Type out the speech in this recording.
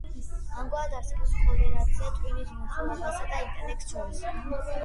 ამგვარად, არსებობს კორელაცია ტვინის მოცულობასა და ინტელექტს შორის.